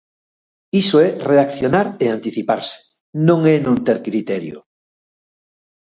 Iso é reaccionar e anticiparse, non é non ter criterio.